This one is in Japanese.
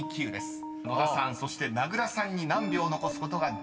［野田さんそして名倉さんに何秒残すことができるか］